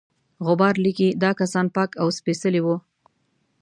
غبار لیکي دا کسان پاک او سپیڅلي وه.